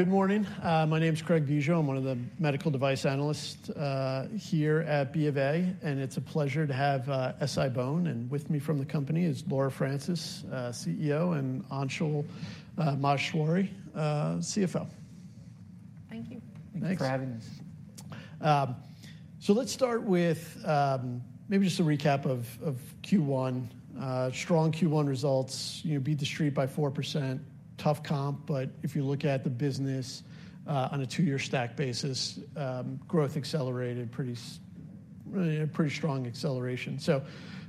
Good morning. My name is Craig Bijou. I'm one of the medical device analysts here at BofA, and it's a pleasure to have SI-BONE. With me from the company is Laura Francis, CEO, and Anshul Maheshwari, CFO. Thank you. Thanks for having us. Let's start with maybe just a recap of Q1. Strong Q1 results. Beat the Street by 4%. Tough comp. But if you look at the business on a two-year stack basis, growth accelerated, pretty strong acceleration.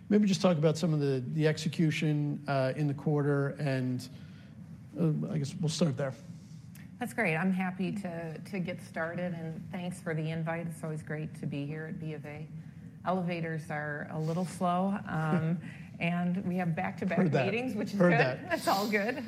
Maybe just talk about some of the execution in the quarter. I guess we'll start there. That's great. I'm happy to get started. Thanks for the invite. It's always great to be here at BofA. Elevators are a little slow. We have back-to-back meetings, which is good. That's all good.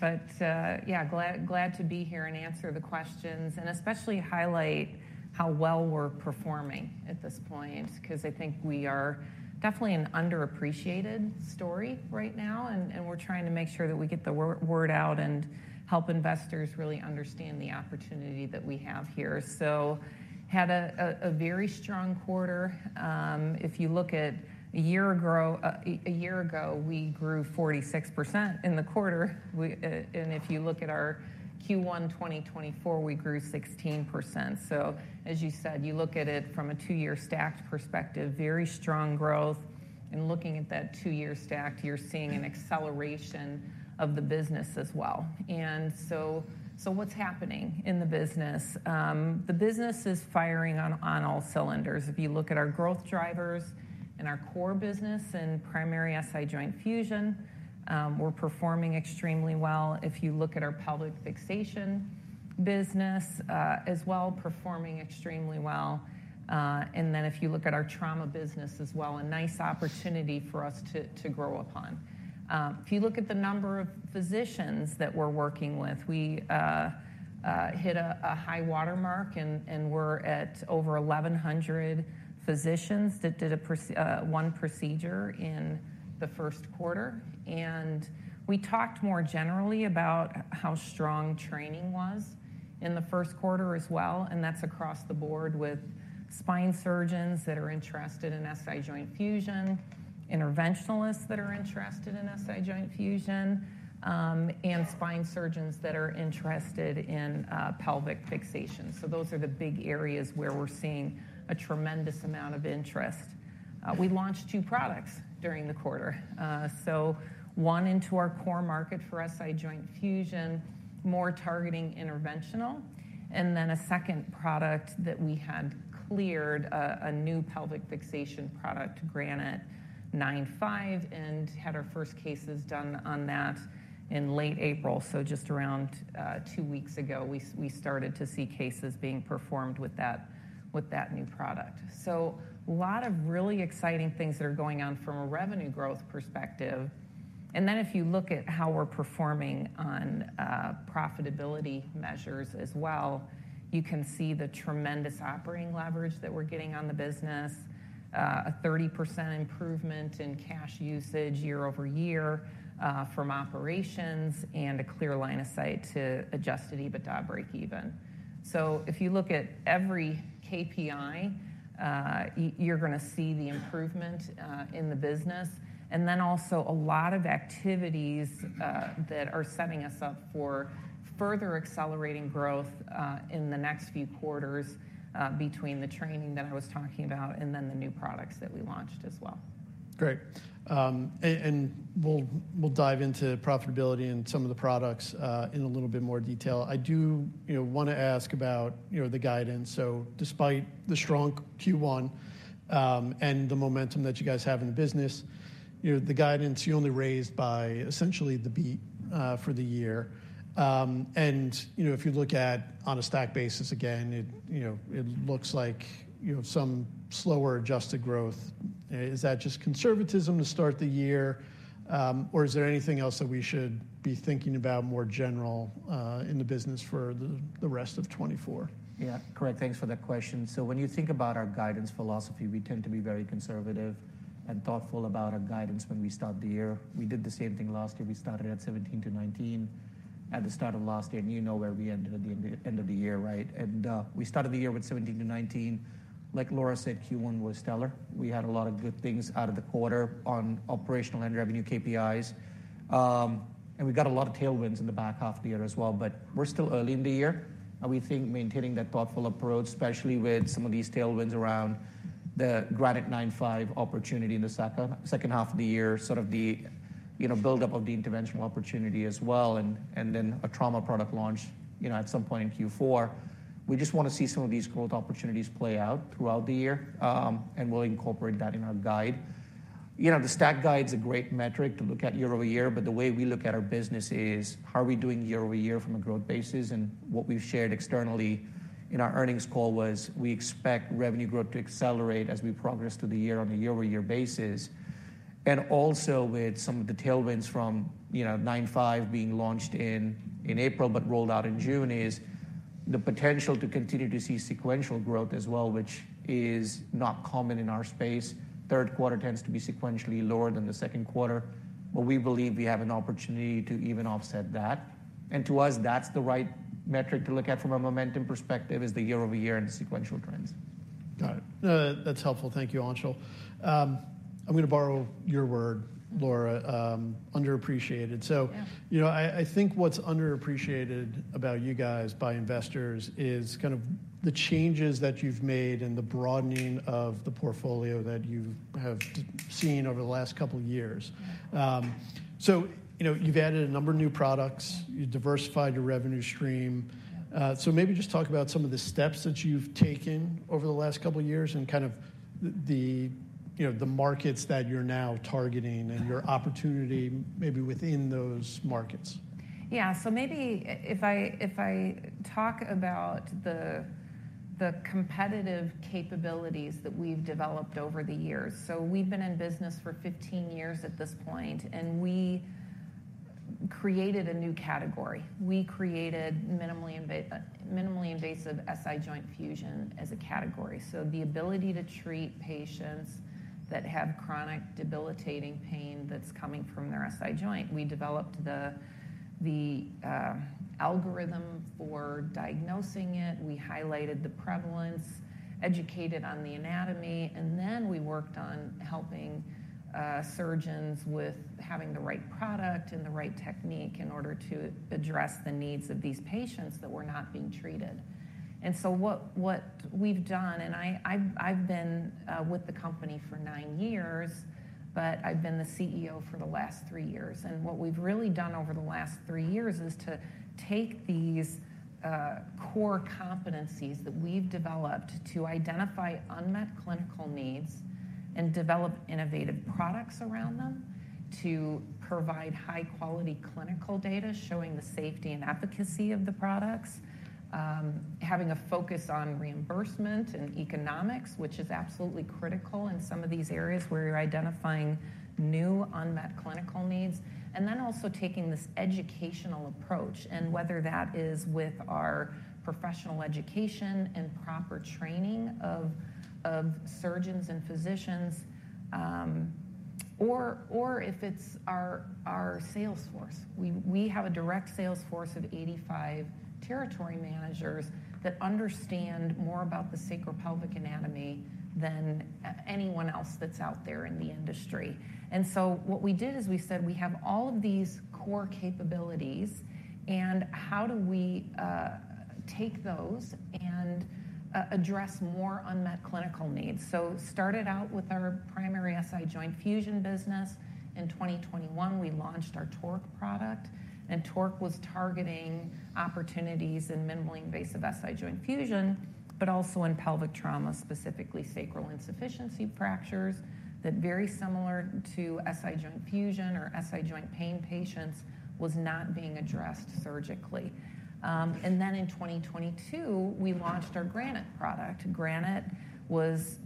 But yeah, glad to be here and answer the questions, and especially highlight how well we're performing at this point because I think we are definitely an underappreciated story right now. And we're trying to make sure that we get the word out and help investors really understand the opportunity that we have here. So had a very strong quarter. If you look at a year ago, we grew 46% in the quarter. And if you look at our Q1 2024, we grew 16%. So as you said, you look at it from a two-year stacked perspective, very strong growth. And looking at that two-year stacked, you're seeing an acceleration of the business as well. And so what's happening in the business? The business is firing on all cylinders. If you look at our growth drivers and our core business and primary SI joint fusion, we're performing extremely well. If you look at our pelvic fixation business as well, performing extremely well. And then if you look at our trauma business as well, a nice opportunity for us to grow upon. If you look at the number of physicians that we're working with, we hit a high-water mark. And we're at over 1,100 physicians that did one procedure in the first quarter. And we talked more generally about how strong training was in the first quarter as well. And that's across the board with spine surgeons that are interested in SI joint fusion, interventionalists that are interested in SI joint fusion, and spine surgeons that are interested in pelvic fixation. So those are the big areas where we're seeing a tremendous amount of interest. We launched two products during the quarter. So one into our core market for SI joint fusion, more targeting interventional. And then a second product that we had cleared, a new pelvic fixation product, Granite 9.5, and had our first cases done on that in late April. So just around two weeks ago, we started to see cases being performed with that new product. So a lot of really exciting things that are going on from a revenue growth perspective. And then if you look at how we're performing on profitability measures as well, you can see the tremendous operating leverage that we're getting on the business, a 30% improvement in cash usage year-over-year from operations, and a clear line of sight to Adjusted EBITDA breakeven. So if you look at every KPI, you're going to see the improvement in the business. And then also a lot of activities that are setting us up for further accelerating growth in the next few quarters between the training that I was talking about and then the new products that we launched as well. Great. And we'll dive into profitability and some of the products in a little bit more detail. I do want to ask about the guidance. So despite the strong Q1 and the momentum that you guys have in the business, the guidance, you only raised by essentially the beat for the year. And if you look at on a stacked basis, again, it looks like some slower adjusted growth. Is that just conservatism to start the year? Or is there anything else that we should be thinking about more general in the business for the rest of 2024? Yeah, correct. Thanks for that question. So when you think about our guidance philosophy, we tend to be very conservative and thoughtful about our guidance when we start the year. We did the same thing last year. We started at 17-19 at the start of last year. And you know where we ended at the end of the year, right? And we started the year with 17-19. Like Laura said, Q1 was stellar. We had a lot of good things out of the quarter on operational and revenue KPIs. And we got a lot of tailwinds in the back half of the year as well. But we're still early in the year. We think maintaining that thoughtful approach, especially with some of these tailwinds around the Granite 9.5 opportunity in the second half of the year, sort of the buildup of the interventional opportunity as well, and then a trauma product launch at some point in Q4, we just want to see some of these growth opportunities play out throughout the year. And we'll incorporate that in our guide. The stacked guide is a great metric to look at year-over-year. But the way we look at our business is, how are we doing year-over-year from a growth basis? And what we've shared externally in our earnings call was, we expect revenue growth to accelerate as we progress through the year on a year-over-year basis. And also with some of the tailwinds from 9.5 being launched in April but rolled out in June is the potential to continue to see sequential growth as well, which is not common in our space. Third quarter tends to be sequentially lower than the second quarter. But we believe we have an opportunity to even offset that. And to us, that's the right metric to look at from a momentum perspective is the year-over-year and the sequential trends. Got it. That's helpful. Thank you, Anshul. I'm going to borrow your word, Laura. Underappreciated. So I think what's underappreciated about you guys by investors is kind of the changes that you've made and the broadening of the portfolio that you have seen over the last couple of years. So you've added a number of new products. You've diversified your revenue stream. So maybe just talk about some of the steps that you've taken over the last couple of years and kind of the markets that you're now targeting and your opportunity maybe within those markets. Yeah. So maybe if I talk about the competitive capabilities that we've developed over the years. We've been in business for 15 years at this point. We created a new category. We created minimally invasive SI joint fusion as a category. The ability to treat patients that have chronic debilitating pain that's coming from their SI joint. We developed the algorithm for diagnosing it. We highlighted the prevalence, educated on the anatomy. Then we worked on helping surgeons with having the right product and the right technique in order to address the needs of these patients that were not being treated. What we've done and I've been with the company for 9 years. But I've been the CEO for the last 3 years. What we've really done over the last three years is to take these core competencies that we've developed to identify unmet clinical needs and develop innovative products around them, to provide high-quality clinical data showing the safety and efficacy of the products, having a focus on reimbursement and economics, which is absolutely critical in some of these areas where you're identifying new unmet clinical needs, and then also taking this educational approach, and whether that is with our professional education and proper training of surgeons and physicians, or if it's our sales force. We have a direct sales force of 85 territory managers that understand more about the sacropelvic anatomy than anyone else that's out there in the industry. So what we did is we said, we have all of these core capabilities. How do we take those and address more unmet clinical needs? Started out with our primary SI joint fusion business. In 2021, we launched our TORQ product. TORQ was targeting opportunities in minimally invasive SI joint fusion, but also in pelvic trauma, specifically sacral insufficiency fractures that, very similar to SI joint fusion or SI joint pain patients, was not being addressed surgically. In 2022, we launched our Granite product. Granite was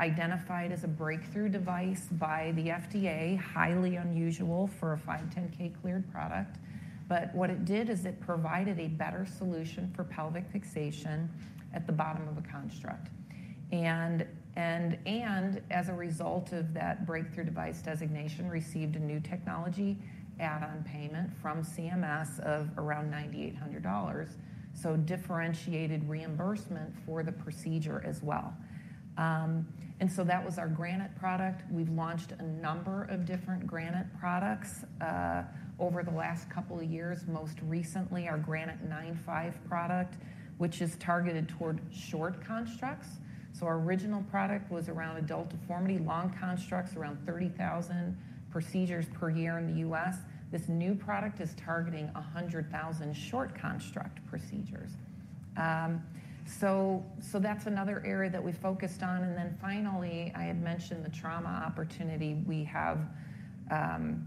identified as a breakthrough device by the FDA, highly unusual for a 510(k) cleared product. What it did is it provided a better solution for pelvic fixation at the bottom of a construct. As a result of that breakthrough device designation, received a new technology add-on payment from CMS of around $9,800, so differentiated reimbursement for the procedure as well. That was our Granite product. We've launched a number of different Granite products over the last couple of years. Most recently, our Granite 9.5 product, which is targeted toward short constructs. So our original product was around adult deformity, long constructs, around 30,000 procedures per year in the U.S. This new product is targeting 100,000 short construct procedures. So that's another area that we focused on. And then finally, I had mentioned the trauma opportunity. We have announced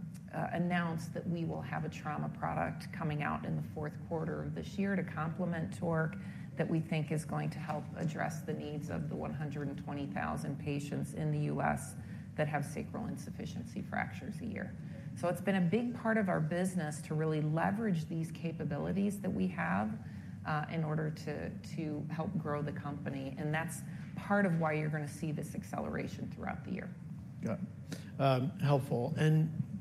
that we will have a trauma product coming out in the fourth quarter of this year to complement TORQ that we think is going to help address the needs of the 120,000 patients in the U.S. that have sacral insufficiency fractures a year. So it's been a big part of our business to really leverage these capabilities that we have in order to help grow the company. And that's part of why you're going to see this acceleration throughout the year. Got it. Helpful.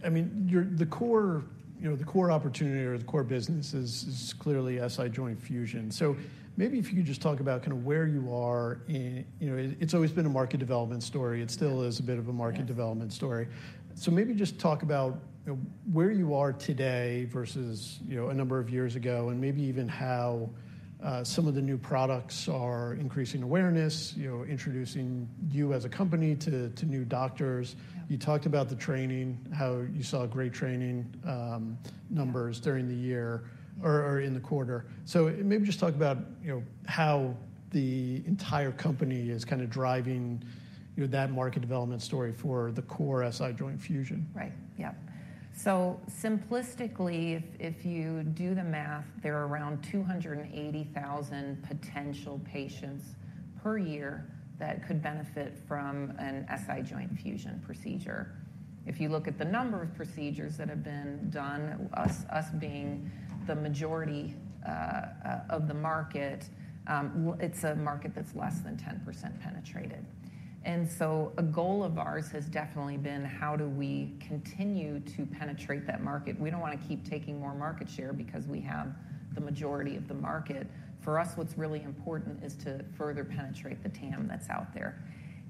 I mean, the core opportunity or the core business is clearly SI joint fusion. So maybe if you could just talk about kind of where you are. It's always been a market development story. It still is a bit of a market development story. So maybe just talk about where you are today versus a number of years ago, and maybe even how some of the new products are increasing awareness, introducing you as a company to new doctors. You talked about the training, how you saw great training numbers during the year or in the quarter. So maybe just talk about how the entire company is kind of driving that market development story for the core SI joint fusion. Right. Yep. So simplistically, if you do the math, there are around 280,000 potential patients per year that could benefit from an SI joint fusion procedure. If you look at the number of procedures that have been done, us being the majority of the market, it's a market that's less than 10% penetrated. And so a goal of ours has definitely been, how do we continue to penetrate that market? We don't want to keep taking more market share because we have the majority of the market. For us, what's really important is to further penetrate the TAM that's out there.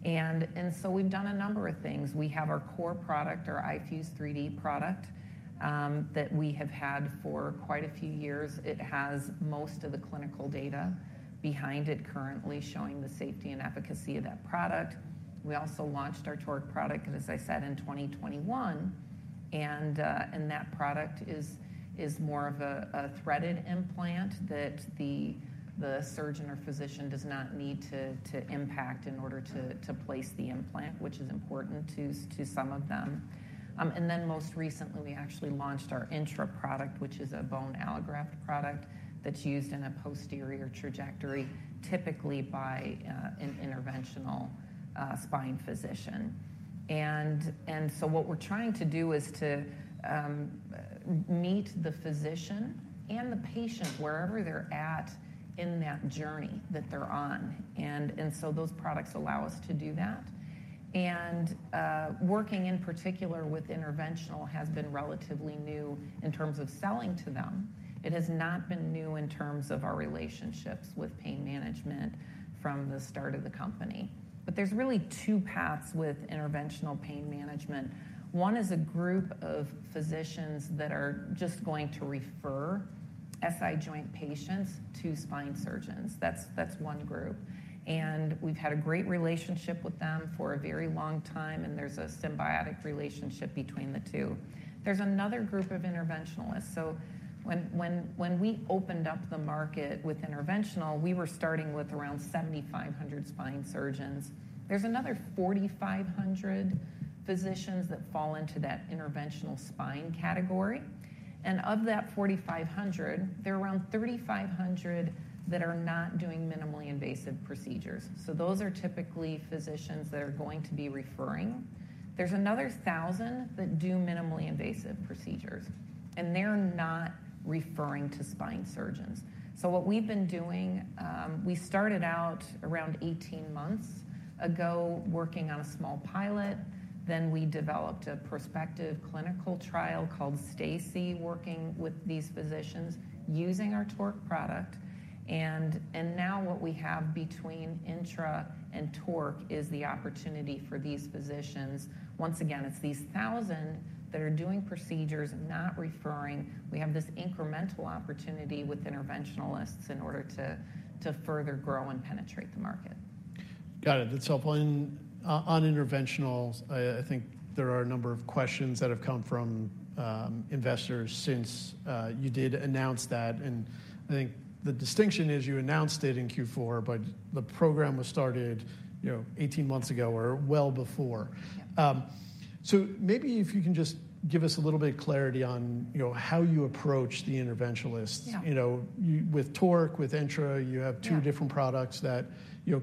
And so we've done a number of things. We have our core product, our iFuse 3D product, that we have had for quite a few years. It has most of the clinical data behind it currently showing the safety and efficacy of that product. We also launched our TORQ product, as I said, in 2021. That product is more of a threaded implant that the surgeon or physician does not need to impact in order to place the implant, which is important to some of them. Then most recently, we actually launched our INTRA product, which is a bone allograft product that's used in a posterior trajectory, typically by an interventional spine physician. So what we're trying to do is to meet the physician and the patient wherever they're at in that journey that they're on. So those products allow us to do that. Working in particular with interventional has been relatively new in terms of selling to them. It has not been new in terms of our relationships with pain management from the start of the company. But there's really two paths with interventional pain management. One is a group of physicians that are just going to refer SI joint patients to spine surgeons. That's one group. And we've had a great relationship with them for a very long time. And there's a symbiotic relationship between the two. There's another group of interventionalists. So when we opened up the market with interventional, we were starting with around 7,500 spine surgeons. There's another 4,500 physicians that fall into that interventional spine category. And of that 4,500, there are around 3,500 that are not doing minimally invasive procedures. So those are typically physicians that are going to be referring. There's another 1,000 that do minimally invasive procedures. And they're not referring to spine surgeons. So what we've been doing, we started out around 18 months ago working on a small pilot. Then we developed a prospective clinical trial called STACY, working with these physicians using our TORQ product. Now what we have between INTRA and TORQ is the opportunity for these physicians. Once again, it's these 1,000 that are doing procedures and not referring. We have this incremental opportunity with interventionalists in order to further grow and penetrate the market. Got it. That's helpful. On interventionalists, I think there are a number of questions that have come from investors since you did announce that. I think the distinction is you announced it in Q4. The program was started 18 months ago or well before. Maybe if you can just give us a little bit of clarity on how you approach the interventionalists. With TORQ, with INTRA, you have two different products that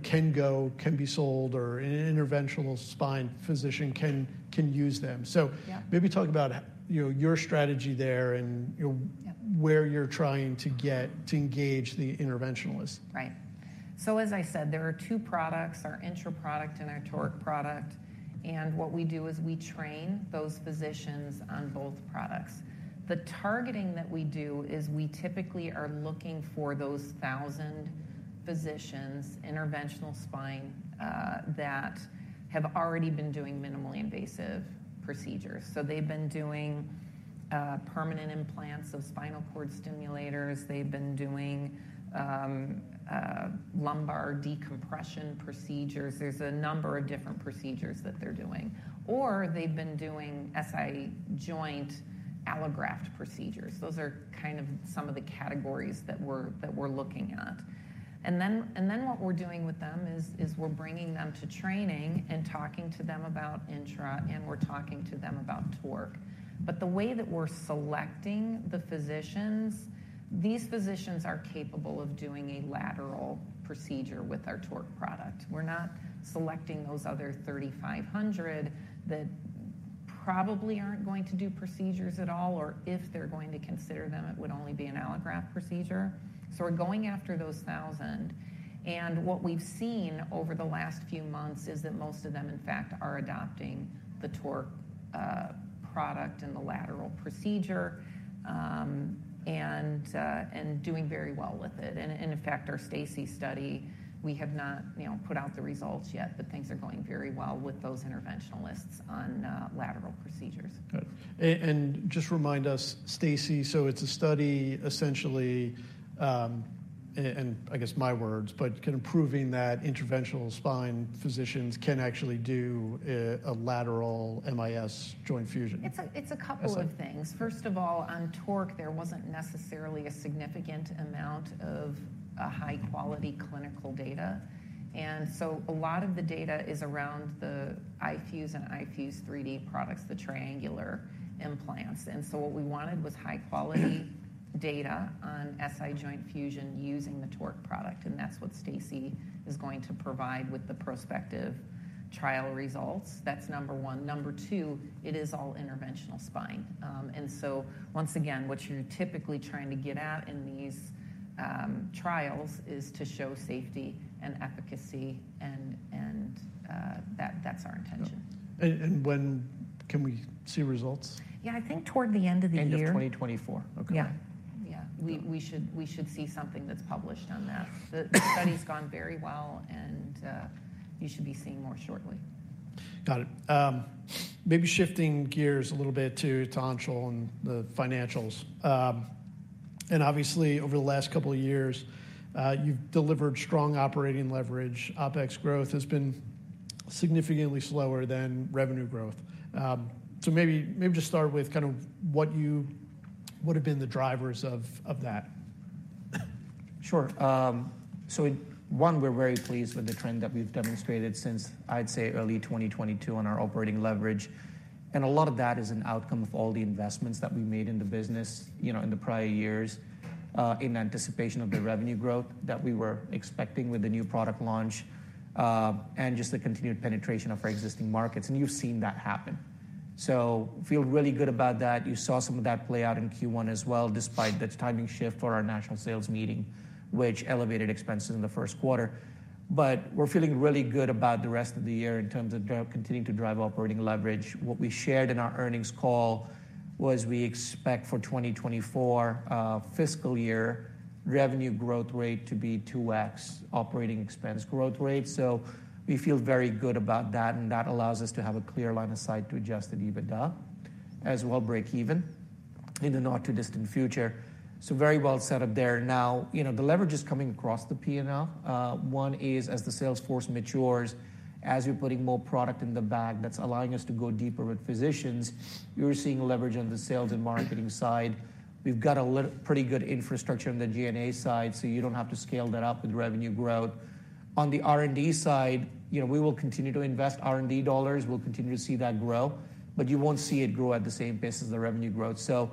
can go, can be sold, or an interventional spine physician can use them. Maybe talk about your strategy there and where you're trying to get to engage the interventionalists. Right. So as I said, there are two products, our INTRA product and our TORQ product. And what we do is we train those physicians on both products. The targeting that we do is we typically are looking for those 1,000 physicians, interventional spine, that have already been doing minimally invasive procedures. So they've been doing permanent implants of spinal cord stimulators. They've been doing lumbar decompression procedures. There's a number of different procedures that they're doing. Or they've been doing SI joint allograft procedures. Those are kind of some of the categories that we're looking at. And then what we're doing with them is we're bringing them to training and talking to them about INTRA. And we're talking to them about TORQ. But the way that we're selecting the physicians, these physicians are capable of doing a lateral procedure with our TORQ product. We're not selecting those other 3,500 that probably aren't going to do procedures at all, or if they're going to consider them, it would only be an allograft procedure. So we're going after those 1,000. And what we've seen over the last few months is that most of them, in fact, are adopting the TORQ product and the lateral procedure and doing very well with it. And in fact, our STACY study, we have not put out the results yet. But things are going very well with those interventionalists on lateral procedures. Got it. And just remind us, STACY, so it's a study, essentially in, I guess, my words, but kind of proving that interventional spine physicians can actually do a lateral MIS joint fusion. It's a couple of things. First of all, on TORQ, there wasn't necessarily a significant amount of high-quality clinical data. And so a lot of the data is around the iFuse and iFuse 3D products, the triangular implants. And so what we wanted was high-quality data on SI joint fusion using the TORQ product. And that's what STACY is going to provide with the prospective trial results. That's number one. Number two, it is all interventional spine. And so once again, what you're typically trying to get at in these trials is to show safety and efficacy. And that's our intention. When can we see results? Yeah. I think toward the end of the year. End of 2024. Yeah. Yeah. We should see something that's published on that. The study's gone very well. And you should be seeing more shortly. Got it. Maybe shifting gears a little bit to Anshul and the financials. And obviously, over the last couple of years, you've delivered strong operating leverage. OPEX growth has been significantly slower than revenue growth. So maybe just start with kind of what have been the drivers of that. Sure. So one, we're very pleased with the trend that we've demonstrated since, I'd say, early 2022 on our operating leverage. And a lot of that is an outcome of all the investments that we made in the business in the prior years in anticipation of the revenue growth that we were expecting with the new product launch and just the continued penetration of our existing markets. And you've seen that happen. So we feel really good about that. You saw some of that play out in Q1 as well, despite the timing shift for our national sales meeting, which elevated expenses in the first quarter. But we're feeling really good about the rest of the year in terms of continuing to drive operating leverage. What we shared in our earnings call was we expect for 2024 fiscal year, revenue growth rate to be 2x operating expense growth rate. So we feel very good about that. That allows us to have a clear line of sight to Adjusted EBITDA as well breakeven in the not too distant future. Very well set up there. Now, the leverage is coming across the P&L. One is as the sales force matures, as you're putting more product in the bag that's allowing us to go deeper with physicians, you're seeing leverage on the sales and marketing side. We've got a pretty good infrastructure on the G&A side. You don't have to scale that up with revenue growth. On the R&D side, we will continue to invest R&D dollars. We'll continue to see that grow. But you won't see it grow at the same pace as the revenue growth. So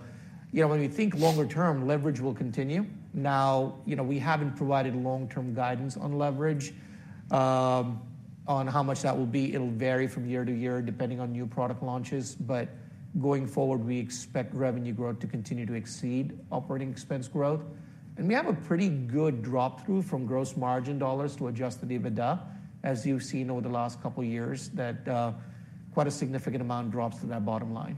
when we think longer term, leverage will continue. Now, we haven't provided long-term guidance on leverage, on how much that will be. It'll vary from year to year depending on new product launches. But going forward, we expect revenue growth to continue to exceed operating expense growth. And we have a pretty good drop through from gross margin dollars to Adjusted EBITDA, as you've seen over the last couple of years, that quite a significant amount drops to that bottom line.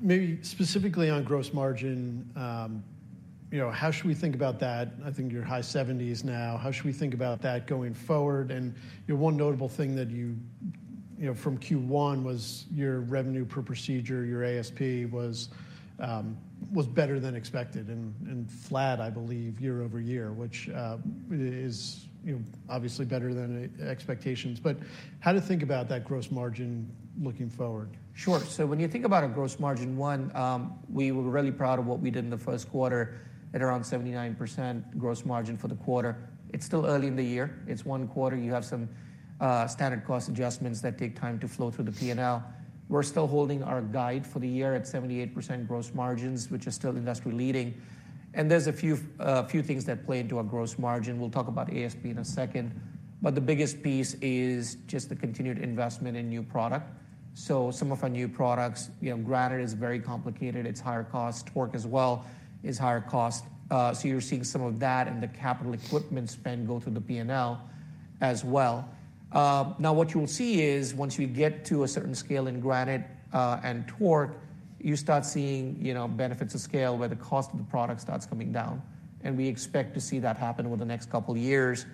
Maybe specifically on gross margin, how should we think about that? I think you're high 70s% now. How should we think about that going forward? And one notable thing that you from Q1 was your revenue per procedure, your ASP, was better than expected and flat, I believe, year-over-year, which is obviously better than expectations. But how to think about that gross margin looking forward? Sure. So when you think about a gross margin, one, we were really proud of what we did in the first quarter at around 79% gross margin for the quarter. It's still early in the year. It's one quarter. You have some standard cost adjustments that take time to flow through the P&L. We're still holding our guide for the year at 78% gross margins, which is still industry leading. And there's a few things that play into our gross margin. We'll talk about ASP in a second. But the biggest piece is just the continued investment in new product. So some of our new products, Granite is very complicated. It's higher cost. TORQ as well is higher cost. So you're seeing some of that and the capital equipment spend go through the P&L as well. Now, what you will see is once you get to a certain scale in Granite and TORQ, you start seeing benefits of scale where the cost of the product starts coming down. And we expect to see that happen over the next couple of years.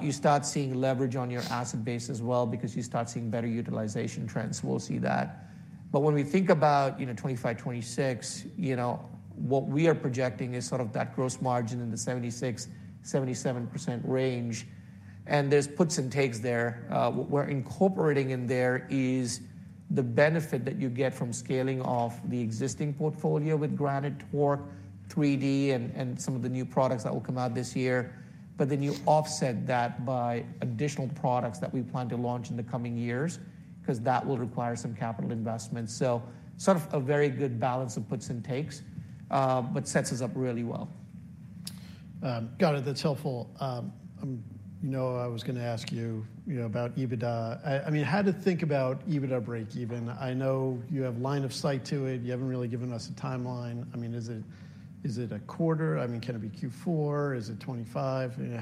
You start seeing leverage on your asset base as well because you start seeing better utilization trends. We'll see that. But when we think about 2025-2026, what we are projecting is sort of that gross margin in the 76%-77% range. And there's puts and takes there. What we're incorporating in there is the benefit that you get from scaling off the existing portfolio with Granite, TORQ, 3D, and some of the new products that will come out this year. But then you offset that by additional products that we plan to launch in the coming years because that will require some capital investment. Sort of a very good balance of puts and takes but sets us up really well Got it. That's helpful. I was going to ask you about EBITDA. I mean, how to think about EBITDA breakeven? I know you have line of sight to it. You haven't really given us a timeline. I mean, is it a quarter? I mean, can it be Q4? Is it 2025?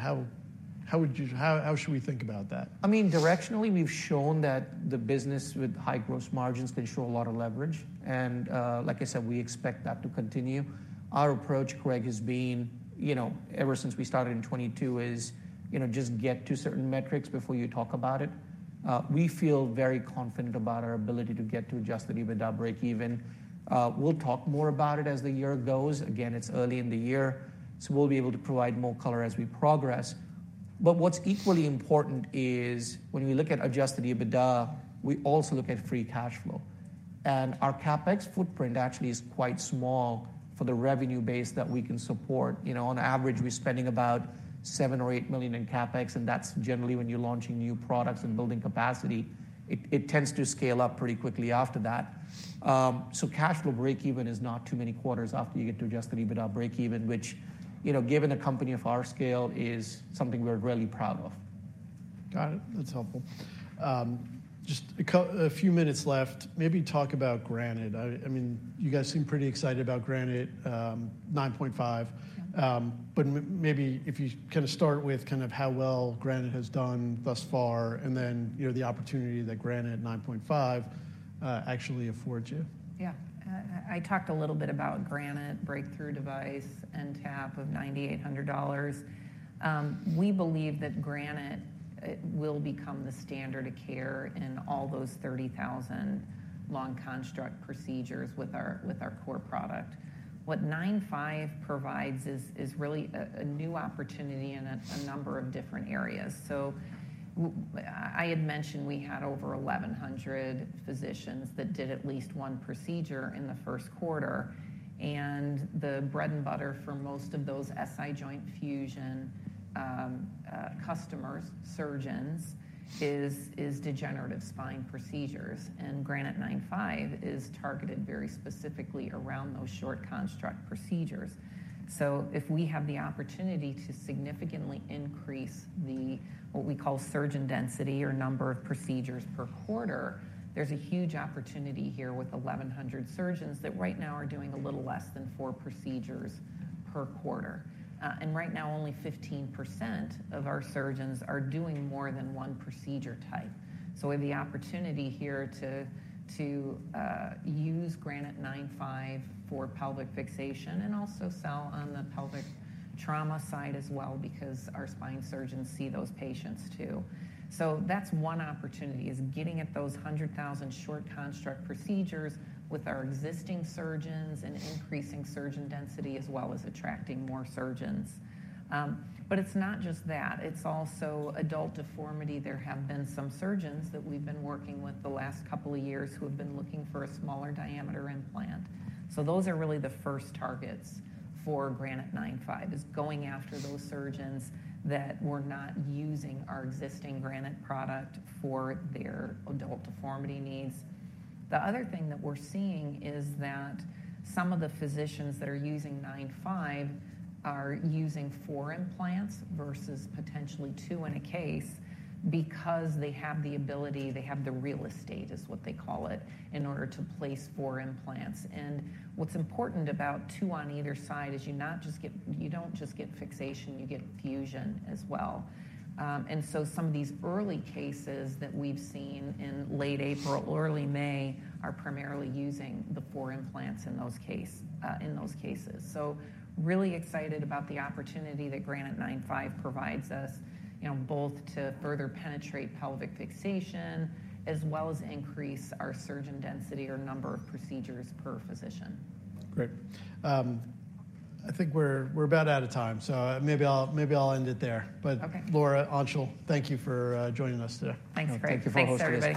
How should we think about that? I mean, directionally, we've shown that the business with high gross margins can show a lot of leverage. And like I said, we expect that to continue. Our approach, Craig, has been ever since we started in 2022 is just get to certain metrics before you talk about it. We feel very confident about our ability to get to Adjusted EBITDA breakeven. We'll talk more about it as the year goes. Again, it's early in the year. So we'll be able to provide more color as we progress. But what's equally important is when we look at Adjusted EBITDA, we also look at free cash flow. And our CapEx footprint actually is quite small for the revenue base that we can support. On average, we're spending about $7 million or $8 million in CapEx. And that's generally when you're launching new products and building capacity. It tends to scale up pretty quickly after that. So cash flow breakeven is not too many quarters after you get to Adjusted EBITDA breakeven, which given a company of our scale is something we're really proud of. Got it. That's helpful. Just a few minutes left. Maybe talk about Granite. I mean, you guys seem pretty excited about Granite 9.5. But maybe if you kind of start with kind of how well Granite has done thus far and then the opportunity that Granite 9.5 actually affords you. Yeah. I talked a little bit about Granite, breakthrough device, and NTAP of $9,800. We believe that Granite will become the standard of care in all those 30,000 long construct procedures with our core product. What 9.5 provides is really a new opportunity in a number of different areas. So I had mentioned we had over 1,100 physicians that did at least one procedure in the first quarter. And the bread and butter for most of those SI joint fusion customers, surgeons, is degenerative spine procedures. And Granite 9.5 is targeted very specifically around those short construct procedures. So if we have the opportunity to significantly increase what we call surgeon density or number of procedures per quarter, there's a huge opportunity here with 1,100 surgeons that right now are doing a little less than four procedures per quarter. Right now, only 15% of our surgeons are doing more than one procedure type. We have the opportunity here to use Granite 9.5 for pelvic fixation and also sell on the pelvic trauma side as well because our spine surgeons see those patients too. That's one opportunity: getting at those 100,000 short construct procedures with our existing surgeons and increasing surgeon density as well as attracting more surgeons. It's not just that. It's also adult deformity. There have been some surgeons that we've been working with the last couple of years who have been looking for a smaller diameter implant. Those are really the first targets for Granite 9.5: going after those surgeons that were not using our existing Granite product for their adult deformity needs. The other thing that we're seeing is that some of the physicians that are using 9.5 are using four implants versus potentially two in a case because they have the ability they have the real estate, is what they call it, in order to place four implants. And what's important about two on either side is you don't just get fixation. You get fusion as well. And so some of these early cases that we've seen in late April, early May are primarily using the four implants in those cases. So really excited about the opportunity that Granite 9.5 provides us both to further penetrate pelvic fixation as well as increase our surgeon density or number of procedures per physician. Great. I think we're about out of time. Maybe I'll end it there. Laura, Anshul, thank you for joining us today. Thanks, Craig. Thank you for hosting us.